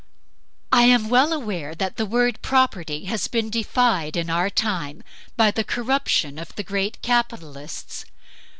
I am well aware that the word "property" has been defied in our time by the corruption of the great capitalists.